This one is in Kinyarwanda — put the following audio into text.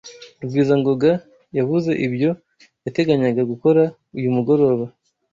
Rugwizangoga yavuze ibyo yateganyaga gukora uyu mugoroba?